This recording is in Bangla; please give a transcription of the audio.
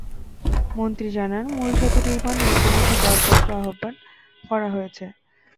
মন্ত্রী জানান, মূল সেতু নির্মাণে ইতিমধ্যে দরপত্র আহ্বান করা হয়েছে।